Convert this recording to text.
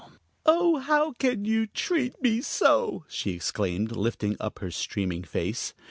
"Oh, how can you treat me so!" she exclaimed, lifting up her streaming face.